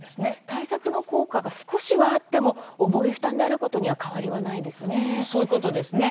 対策の効果が少しはあっても重い負担であることには変わりはないですね。